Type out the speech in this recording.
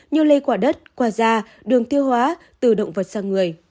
như lây qua đất qua da đường tiêu hóa từ động vật sang người